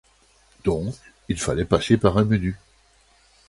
Donc, il fallait passer par un menu.